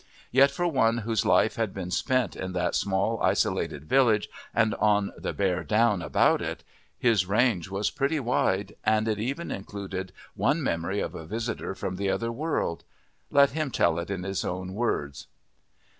Yet for one whose life had been spent in that small isolated village and on the bare down about it, his range was pretty wide, and it even included one memory of a visitor from the other world. Let him tell it in his own words.